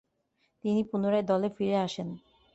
তিনি পুনরায় দলে ফিরে আসেন।